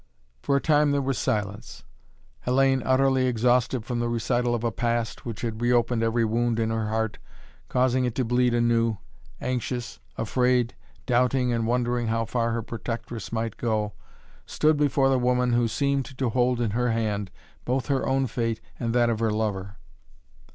For a time there was silence. Hellayne, utterly exhausted from the recital of a past, which had reopened every wound in her heart, causing it to bleed anew, anxious, afraid, doubting and wondering how far her protectress might go, stood before the woman who seemed to hold in her hand both her own fate and that of her lover.